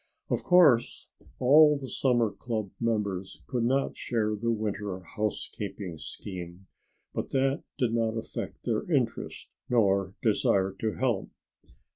Of course all the summer club members could not share the winter housekeeping scheme, but that did not affect their interest nor desire to help.